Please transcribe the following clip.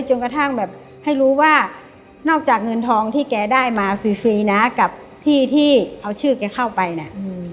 จนกระทั่งแบบให้รู้ว่านอกจากเงินทองที่แกได้มาฟรีฟรีนะกับที่ที่เอาชื่อแกเข้าไปเนี่ย